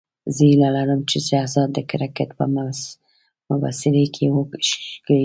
زه هیله لرم چې شهزاد د کرکټ په مبصرۍ کې وښکلېږي.